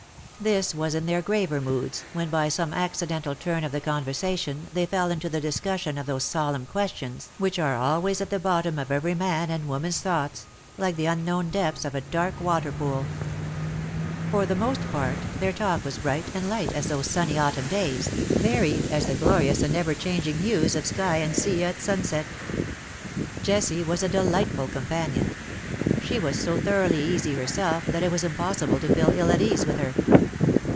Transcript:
This was in their graver moods, when by some accidental turn of the conversation they fell into the discussion of those solemn questions which are always at the bottom of every man and woman's thoughts, like the unknown depths of a dark water pool. For the most part their talk Avas bright and light as those sunny autumn days, varied as the glorious and ever 94 '^TINTAGEL^ HALF IN SEA, AND HALF ON LAND." changing hues of sky and sea at sunset. Jessie was a delightful companion. She was so thoroughly easy herself that it was impossible to feel ill at ease with her.